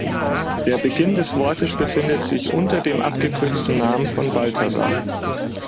Der Beginn des Wortes befindet sich unter dem abgekürzten Namen von Balthasar.